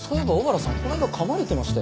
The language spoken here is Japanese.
この間噛まれてましたよね？